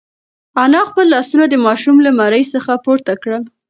انا خپل لاسونه د ماشوم له مرۍ څخه پورته کړل.